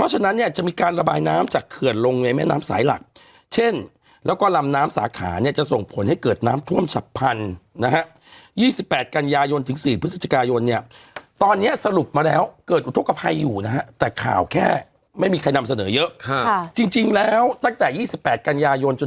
ฉะนั้นเนี่ยจะมีการระบายน้ำจากเขื่อนลงในแม่น้ำสายหลักเช่นแล้วก็ลำน้ำสาขาเนี่ยจะส่งผลให้เกิดน้ำท่วมฉับพันธุ์นะฮะ๒๘กันยายนถึง๔พฤศจิกายนเนี่ยตอนเนี้ยสรุปมาแล้วเกิดอุทธกภัยอยู่นะฮะแต่ข่าวแค่ไม่มีใครนำเสนอเยอะค่ะจริงแล้วตั้งแต่๒๘กันยายนจน